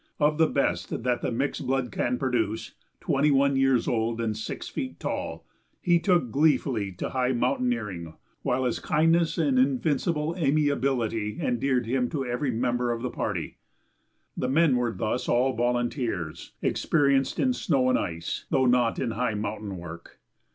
Of the best that the mixed blood can produce, twenty one years old and six feet tall, he took gleefully to high mountaineering, while his kindliness and invincible amiability endeared him to every member of the party. The men were thus all volunteers, experienced in snow and ice, though not in high mountain work.